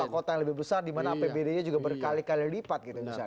kota kota yang lebih besar dimana apbd nya juga berkali kali lipat gitu misalnya